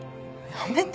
やめて！